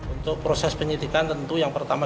untuk proses penyidikan tentu yang pertama